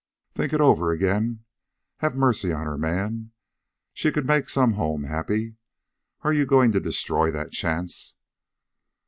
Think it over again. Have mercy on her, man. She could make some home happy. Are you going to destroy that chance?"